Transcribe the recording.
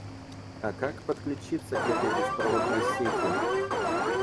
А как подключиться к этой беспроводной сети?